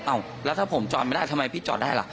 แล้วถ้าผมจอดไม่ได้ทำไมพี่จอดได้ล่ะ